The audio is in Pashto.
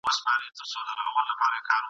که مي نصیب سوې د وطن خاوري !.